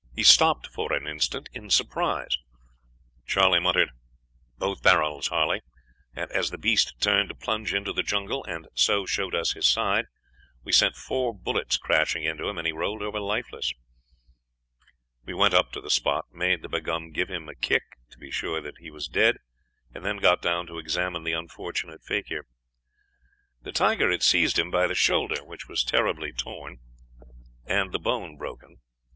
He stopped for an instant in surprise. Charley muttered, 'Both barrels, Harley,' and as the beast turned to plunge into the jungle, and so showed us his side, we sent four bullets crashing into him, and he rolled over lifeless. "We went up to the spot, made the Begaum give him a kick, to be sure that he was dead, and then got down to examine the unfortunate fakir. The tiger had seized him by the shoulder, which was terribly torn, and the bone broken.